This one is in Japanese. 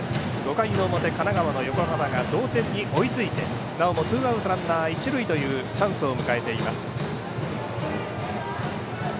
５回の表、神奈川の横浜が同点に追いついてなおもツーアウトランナー、一塁というチャンスを迎えています。